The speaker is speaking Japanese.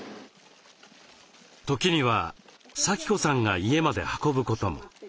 時にはさき子さんが家まで運ぶことも。